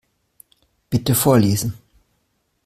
Bitte vorlesen.